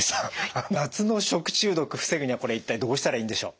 夏の食中毒防ぐにはこれ一体どうしたらいいんでしょう？